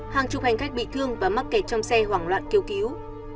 hàng chục hành khách bị thương và mắc kẹt trong xe hoảng loạn kêu cứu